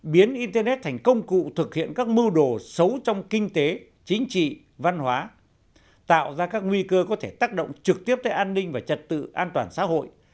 biến internet thành công cụ thực hiện các mưu đồ xấu trong kinh tế chính trị văn hóa tạo ra các nguy cơ có thể tác động trực tiếp tới an ninh và trật tự an toàn xã hội